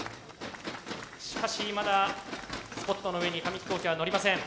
しかしまだスポットの上に紙飛行機はのりません。